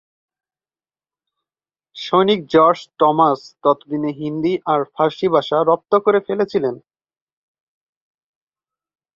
সৈনিক George Thomas ততদিনে হিন্দি আর ফার্সি ভাষা রপ্ত করে ফেলেছিলেন।